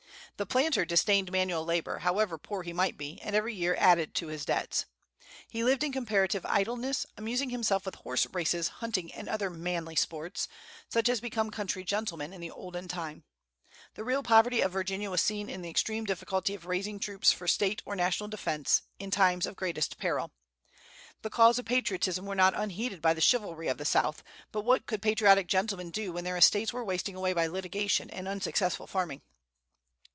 The planter disdained manual labor, however poor he might be, and every year added to his debts. He lived in comparative idleness, amusing himself with horse races, hunting, and other "manly sports," such as became country gentlemen in the "olden time." The real poverty of Virginia was seen in the extreme difficulty of raising troops for State or national defence in times of greatest peril. The calls of patriotism were not unheeded by the "chivalry" of the South; but what could patriotic gentlemen do when their estates were wasting away by litigation and unsuccessful farming?